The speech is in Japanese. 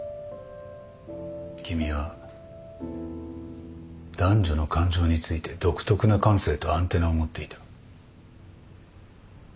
君は男女の感情について独特な感性とアンテナを持っていた。